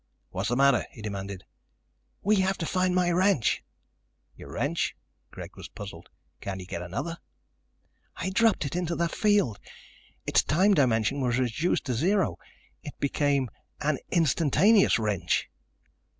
"What's the matter?" he demanded. "We have to find my wrench!" "Your wrench?" Greg was puzzled. "Can't you get another?" "I dropped it into the field. Its time dimension was reduced to zero. It became an 'instantaneous wrench'."